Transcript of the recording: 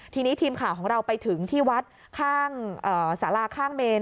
ทีนี้ทีมข่าวของเราไปถึงที่วัดข้างสาราข้างเมน